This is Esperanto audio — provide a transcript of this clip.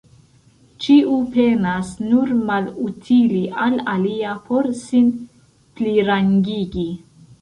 Ĉiu penas nur malutili al alia por sin plirangigi.